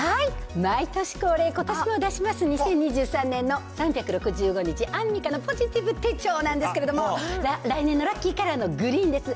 毎年恒例、ことしも出します、２０２３年の３６５日アンミカのポジティブ手帳なんですけど、来年のラッキーカラーのグリーンです。